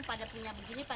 sekarang nggak ada pam